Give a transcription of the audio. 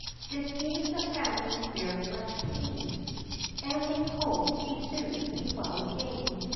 This gave the family very much pain; And they hoped he soon would be well again.